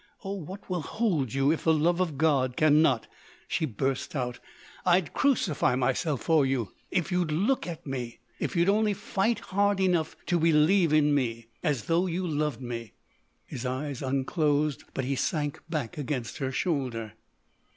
Oh, what will hold you if the love of God can not!" she burst out. "I'd crucify myself for you if you'd look at me—if you'd only fight hard enough to believe in me—as though you loved me!" His eyes unclosed but he sank back against her shoulder.